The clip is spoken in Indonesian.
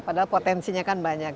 padahal potensinya kan banyak